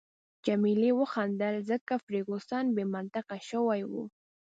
جميله وخندل، ځکه فرګوسن بې منطقه شوې وه.